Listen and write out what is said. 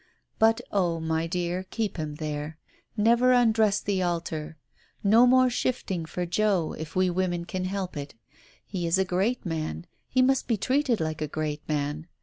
"But oh, my dear, keep him there. Never undress the altar. No more shifting for Joe, if we women can help it. He is a great man — he must be treated like a great man.